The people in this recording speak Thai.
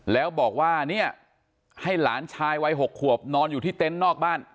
แล้วบอกว่าเนี่ยให้หลานชายวัย๖ขวบนอนอยู่ที่เต็นต์นอกบ้าน